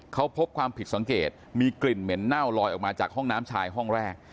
เขาพบความผิดสังเกตมีกลิ่นเหม็นเน่าลอยออกมาจากห้องน้ำชายห้องแรก